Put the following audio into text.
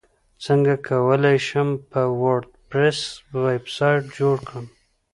څنګه کولی شم په وردپریس ویبسایټ جوړ کړم